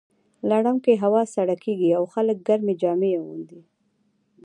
لړم کې هوا سړه کیږي او خلک ګرمې جامې اغوندي.